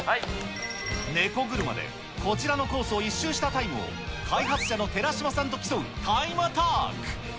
ネコ車でこちらのコースを１周したタイムを、開発者の寺嶋さんと競うタイムアタック。